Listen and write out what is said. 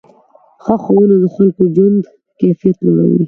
ښه ښوونه د خلکو ژوند کیفیت لوړوي.